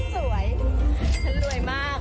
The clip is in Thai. สวยฉันรวยมาก